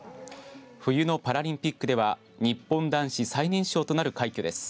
冬のパラリンピックでは日本男子最年少となる快挙です。